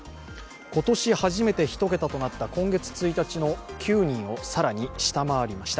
今年初めて１桁となった今月１日の９人を更に下回りました。